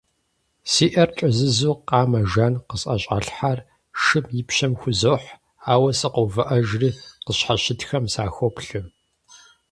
Си Ӏэр кӀэзызу, къамэ жан къысӀэщӀалъхьар шым и пщэм хузохь, ауэ сыкъоувыӀэжри, къысщхьэщытхэм сахоплъэ.